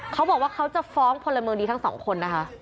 เขาบอกว่าเขาจะฟ้องพลเมืองดีทั้งสองคนนะคะ